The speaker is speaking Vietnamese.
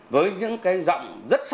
với những cái giọng rất sâu